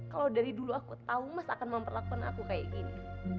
kalau dari dulu aku tahu mas akan memperlakukan aku kayak gini